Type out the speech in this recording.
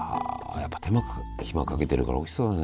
やっぱり手間暇かけてるからおいしそうだね。